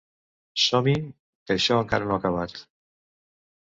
Som-hi que això encara no ha acabat!